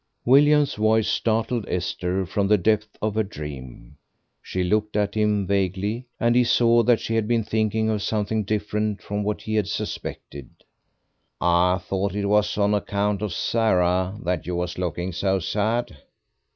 William's voice startled Esther from the depth of her dream; she looked at him vaguely, and he saw that she had been thinking of something different from what he had suspected. "I thought it was on account of Sarah that you was looking so sad."